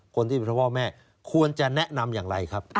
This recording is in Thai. คนที่เป็นพ่อแม่ควรจะแนะนำอย่างไรครับ